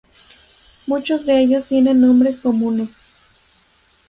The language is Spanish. Muchos de ellos tienen nombres comunes.